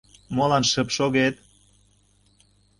— Молан шып шогет?